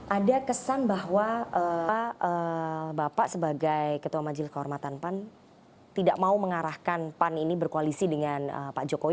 ada kesan bahwa bapak sebagai ketua majelis kehormatan pan tidak mau mengarahkan pan ini berkoalisi dengan pak jokowi